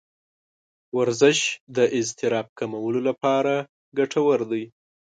ورزش د اضطراب کمولو لپاره ګټور دی.